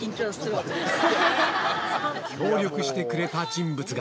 協力してくれた人物が。